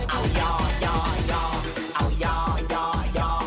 เอาย่อย่อย่อเอาย่อย่อย่อ